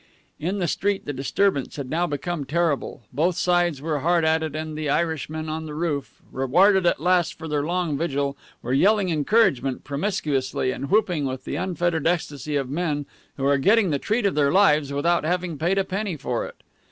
In the street the disturbance had now become terrible. Both sides were hard at it, and the Irishmen on the roof, rewarded at last for their long vigil, were yelling encouragement promiscuously and whooping with the unfettered ecstasy of men who are getting the treat of their lives without having paid a penny for it.